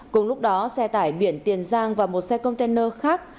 cùng lúc đó xe tải biển tiền giang và một xe container khác